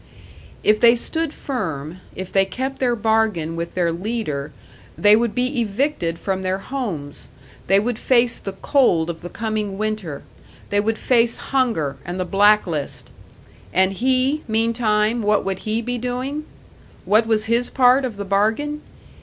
If they stood firm, if they kept their bargain with their leader, they would be evicted from their homes, they would face the cold of the coming winter, they would face hunger and the black list. And he, meantime what would he be doing? What was his part of the bargain?